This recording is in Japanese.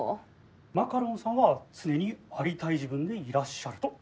マカロンさんは常にありたい自分でいらっしゃると？